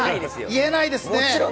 言えないですね。